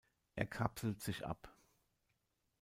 Er kapselt sich ab.